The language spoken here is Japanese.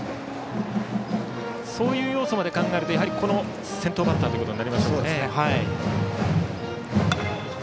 そういう要素まで考えるとこの先頭バッターということになりますね。